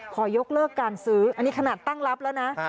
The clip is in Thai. ขอยกเลิกการซื้ออันนี้ขนาดตั้งรับแล้วนะ